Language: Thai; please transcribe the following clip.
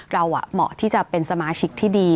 เหมาะที่จะเป็นสมาชิกที่ดี